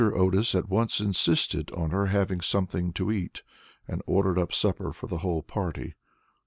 Otis at once insisted on her having something to eat, and ordered up supper for the whole party.